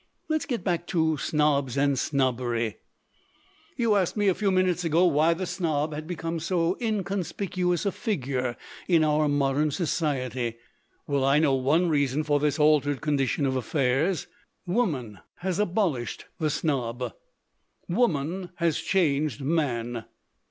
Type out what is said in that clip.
"Let's get back to snobs and snobbery. "You asked me a few minutes ago why the snob had become so inconspicuous a figure in our .modern society. Well, I know one reason for this altered condition of affairs. Woman has abolished the snob. Woman has changed man."